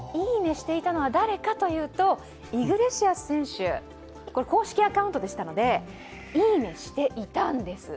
したのは誰かというとイグレシアス選手、公式アカウントでしたので、いいねしていたんです。